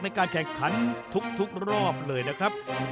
ในการแข่งขันทุกรอบเลยนะครับ